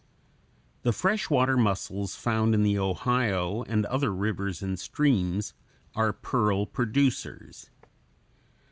The fresh water mussels found in the Ohio and other rivers and streams are pearl producers.